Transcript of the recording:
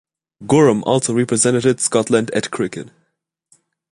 Goram also represented Scotland at cricket.